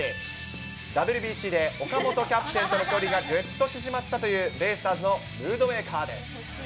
ＷＢＣで岡本キャプテンとの距離がぐっと縮まったというベイスターズのムードメーカーです。